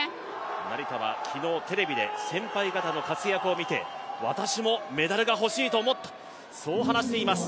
成田は昨日テレビで先輩方の活躍を見て、私もメダルが欲しいと思ったそう話しています。